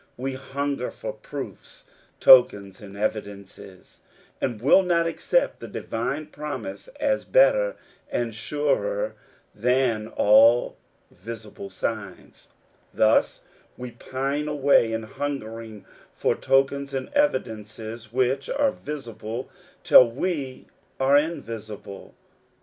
We hun ger for proofs, tokens, and evidences, and will not accept the divine promise as better and surer than all visible signs. Thus we pine away in hungering for tokens and evidences which are visible, till we are driven to try the better and surer things which are invisible.